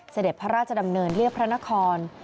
เสด็จพระราชดำเนินเรียบพระนคร